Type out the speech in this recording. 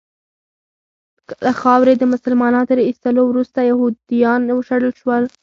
له خاورې د مسلمانانو تر ایستلو وروسته یهودیان وشړل سول.